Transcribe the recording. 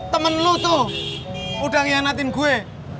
temen lu tuh udah ngianatin gue